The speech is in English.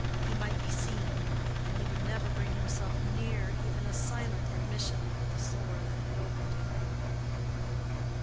He might be seen: and he would never bring himself near even a silent admission of the sore that had opened in him.